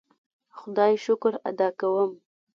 خدای شکر ادا کوم.